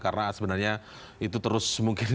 karena sebenarnya itu terus